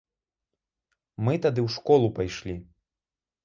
Мы тады ў школу пайшлі.